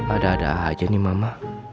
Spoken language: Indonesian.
ada ada aja nih mama